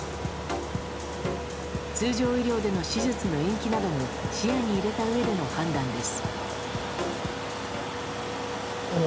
通常医療での手術の延期なども視野に入れたうえでの判断です。